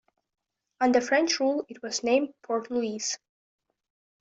Under French rule it was named Port Louis.